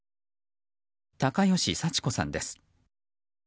高吉サチ子さんです。